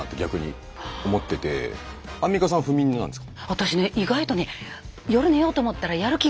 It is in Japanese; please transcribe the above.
私ね意外とねえ？